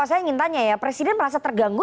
saya ingin tanya ya presiden merasa terganggu